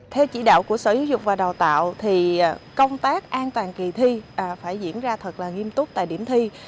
theo chỉ đạo của sở giáo dục và đào tạo thì công tác an toàn kỳ thi phải diễn ra thật là nghiêm túc tại điểm thi